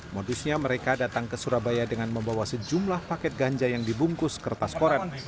modusnya mereka datang ke surabaya dengan membawa sejumlah paket ganja yang dibungkus kertas koret